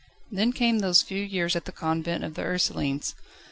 Then came those few years at the Convent of the Ursulines.